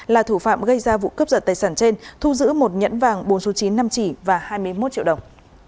là thủ phạm gây ra vụ cướp giật tài sản trên thu giữ một nhẫn vàng bốn số chín năm chỉ và hai mươi một triệu đồng